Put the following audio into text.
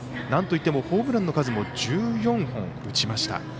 なんといってもホームランの数も１４本打ちました。